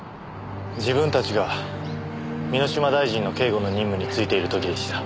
自分たちが箕島大臣の警護の任務についている時でした。